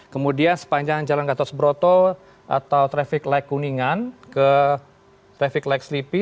kemudian sepanjang jalan gatot broto atau traffic light kuningan ke traffic light sleepy